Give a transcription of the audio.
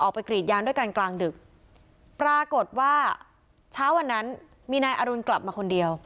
ไปกรีดยางด้วยกันกลางดึกปรากฏว่าเช้าวันนั้นมีนายอรุณกลับมาคนเดียว